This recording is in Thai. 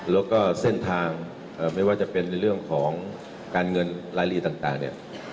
แล้วก็เส้นทางไม่ว่าจะเป็นในเรื่องของการเงินรายลีต่างเนี่ย